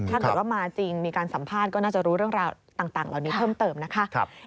ถ้าเกิดว่ามาจริงมีการสัมภาษณ์ก็น่าจะรู้เรื่องราวต่างเหล่านี้เพิ่มเติมนะคะ